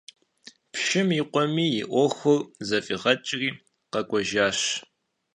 Пщым и къуэми и Ӏуэхур зыфӀигъэкӀри къэкӀуэжащ.